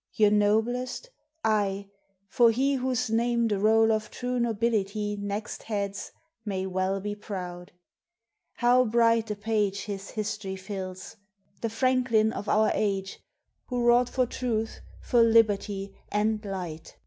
Your noblest? Aye! for he Whose name the roll of true nobility Next heads, may well be proud. How bright a page His history fills. The Franklin of our age, Who wrought for Truth, for Liberty, and Light.